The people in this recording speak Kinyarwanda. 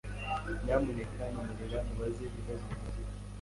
Nyamuneka nyemerera nkubaze ibibazo bike .